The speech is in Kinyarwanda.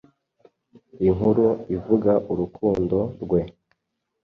inkuru ivuga urukundo rwe